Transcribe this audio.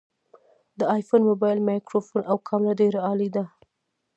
د آیفون مبایل مایکروفون او کامره ډیره عالي ده